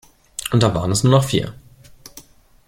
Und da waren es nur noch vier.